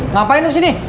ngapain lu disini